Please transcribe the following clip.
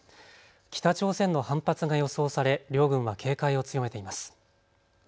北朝鮮の反発が予想され両軍は警戒を強めています。